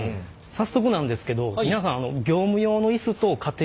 早速なんですけど皆さんえっ？